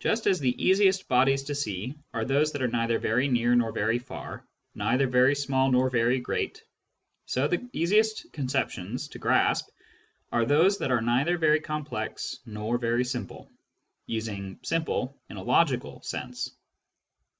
Just as the easiest bodies to see are those that are neither very near nor very far, neither very small nor very great, so the easiest conceptions to grasp are those that are neither very complex nor very simple (using " simple " in a logical sense).